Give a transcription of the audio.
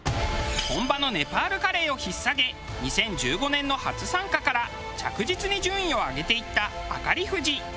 本場のネパールカレーを引っ提げ２０１５年の初参加から着実に順位を上げていった明り富士。